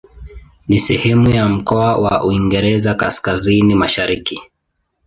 Ni sehemu ya mkoa wa Uingereza Kaskazini-Mashariki.